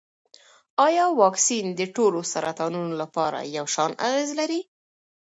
ایا واکسین د ټولو سرطانونو لپاره یو شان اغېز لري؟